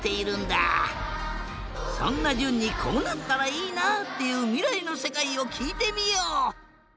そんなじゅんにこうなったらいいなっていうみらいのせかいをきいてみよう。